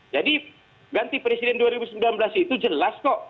jadi ganti presiden dua ribu sembilan belas itu jelas kok